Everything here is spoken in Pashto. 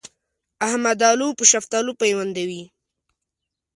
احمد الو په شفتالو پيوندوي.